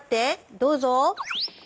どうぞ。